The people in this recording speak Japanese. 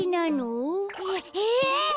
えっええっ！